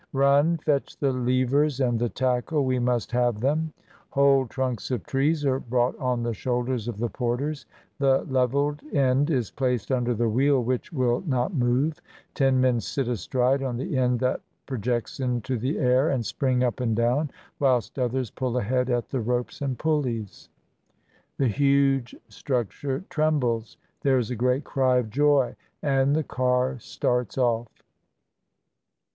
... "'Run! fetch the levers and the tackle, we must have them.' Whole trunks of trees are brought on the shoulders of the porters, the leveled end is placed under the wheel which will not move, ten men sit astride on the end that projects into the air and spring up and down, whilst others pull ahead at the ropes and pulleys. "The huge structure trembles. There is a great cry of joy, and the car starts off.